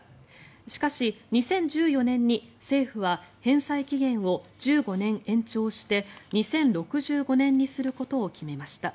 しかし２０１４年に政府は返済期限を１５年延長して２０６５年にすることを決めました。